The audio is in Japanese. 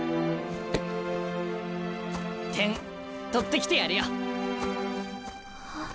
点取ってきてやるよ。